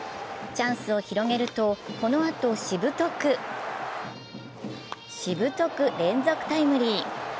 チャンスを広げると、このあとしぶとく、しぶとく連続タイムリー。